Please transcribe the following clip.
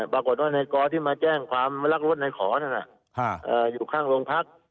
ปรากฏว่านายกอที่มาแจ้งความรักรถในขอนั่นอยู่ข้างโรงพัก